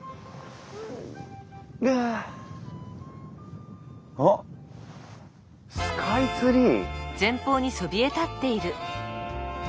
あ！あっスカイツリー！